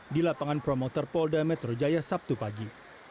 di lapangan promoter polda metro jaya sabtu pagi